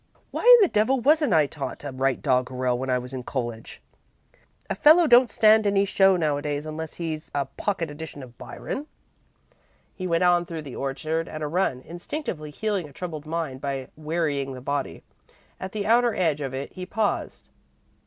Why in the devil wasn't I taught to write doggerel when I was in college? A fellow don't stand any show nowadays unless he's a pocket edition of Byron." He went on through the orchard at a run, instinctively healing a troubled mind by wearying the body. At the outer edge of it, he paused.